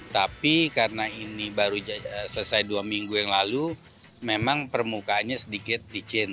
tapi karena ini baru selesai dua minggu yang lalu memang permukaannya sedikit licin